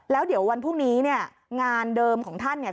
แล้วเดี๋ยววันพรุ่งนี้เนี่ยงานเดิมของท่านเนี่ย